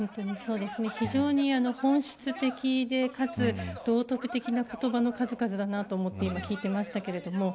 非常に本質的で、かつ道徳的な言葉の数々だなと思って今、聞いていました。